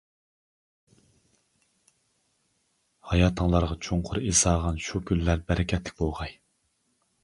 ھاياتىڭلارغا چوڭقۇر ئىز سالغان شۇ كۈنلەر بەرىكەتلىك بولغاي!